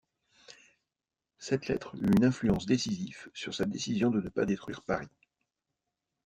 Cette lettre eut une influence décisive sur sa décision de ne pas détruire Paris.